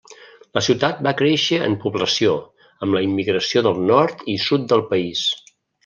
La ciutat va créixer en població, amb la immigració del nord i sud del país.